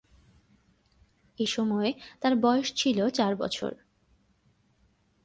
এসময় তার বয়স ছিল চার বছর।